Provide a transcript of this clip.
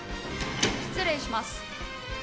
失礼します。